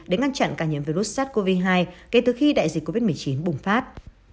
để ngăn chặn nhiễm virus sars cov hai kể từ khi đại dịch covid một mươi chín bùng phát